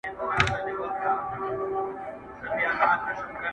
ډېر یې زړه سو چي له ځان سره یې سپور کړي!.